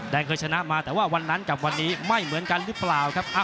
เคยชนะมาแต่ว่าวันนั้นกับวันนี้ไม่เหมือนกันหรือเปล่าครับ